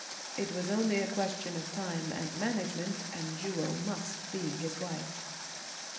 It was only a question of time and management, and Jewel must be his wife.